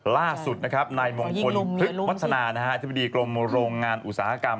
ล่าสุดในมงคลทึกวัฒนาอธิบดีกรมโรงงานอุตสาหกรรม